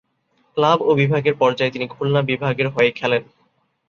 Club ও বিভাগের পর্যায়ে তিনি খুলনা বিভাগের হয়ে খেলেন।